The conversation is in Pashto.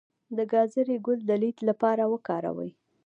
د ګازرې ګل د لید لپاره وکاروئ